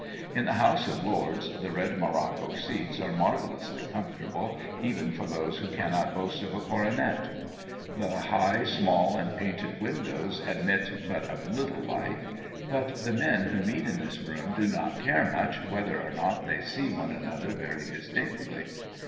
In the House of Lords the red morocco seats are marvellously comfortable, even for those who cannot boast of a coronet. The high, small, and painted windows admit but of little light; but the men who meet in this room do not care much whether or not they see one another very distinctly.